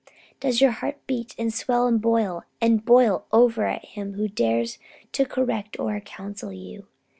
Does your heart beat, and swell, and boil, and boil over at him who dares to correct or counsel you?